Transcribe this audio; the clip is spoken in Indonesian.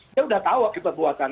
dia sudah tahu akibat buatan